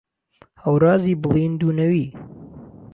ههورازی بڵیند و نهوی